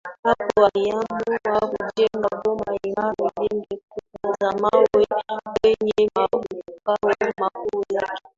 Hapo aliamua kujenga boma imara lenye kuta za mawe kwenye makao makuu yake